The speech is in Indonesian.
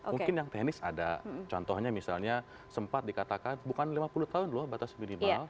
mungkin yang teknis ada contohnya misalnya sempat dikatakan bukan lima puluh tahun loh batas minimal